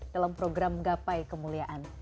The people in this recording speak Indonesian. dalam program gapai kemuliaan